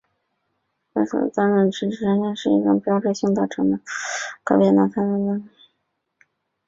韦瑟比担任州长期间的另一项标志性成就是大幅改善了肯塔基州的教育系统。